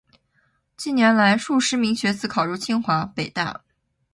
近年来，数十名学子考入清华、北大